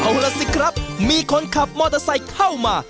เอาล่ะสิครับมีคนขับมอเตอร์ไซค์เข้ามา